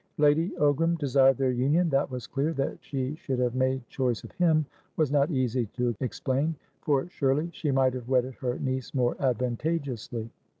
Lady Ogram desired their union, that was clear. That she should have made choice of him, was not easy to explain, for surely she might have wedded her niece more advantageously.